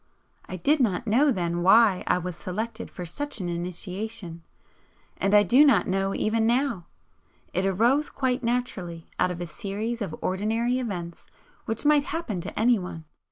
I did not then know why I was selected for such an 'initiation' and I do not know even now. It arose quite naturally out of a series of ordinary events which might happen to anyone.